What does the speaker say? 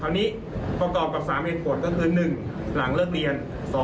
นี้ประกอบกับ๓เหตุผลก็คือ๑หลังเลิกเรียน